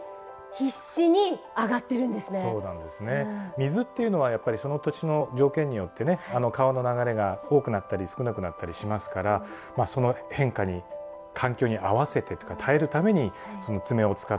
水っていうのはやっぱりその土地の条件によってね川の流れが多くなったり少なくなったりしますからその変化に環境に合わせてというか耐えるためにそのつめを使って移動していかなきゃいけない。